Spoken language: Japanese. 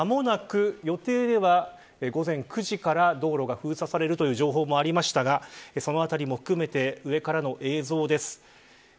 会場付近ですが間もなく予定では午前９時から道路が封鎖されるという情報もありましたがそのあたりも含めて上からの映像です。